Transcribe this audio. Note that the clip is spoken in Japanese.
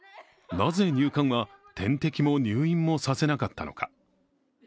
なぜ入管は点滴も入院もさせなかったのか。